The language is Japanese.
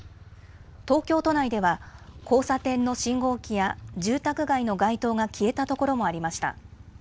東京都内では交差点の信号機や住宅街の街灯が消えたところもありました。